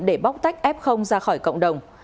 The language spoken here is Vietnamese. để bóc tách f ra khỏi cộng đồng